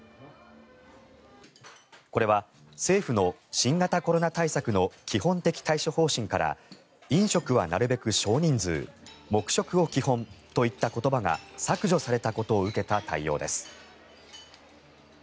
これは、政府の新型コロナ対策の基本的対処方針から飲食はなるべく少人数黙食を基本といった言葉が削除されたことを受けた対応です。